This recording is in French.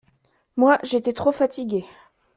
Moi, j’étais trop fatigué.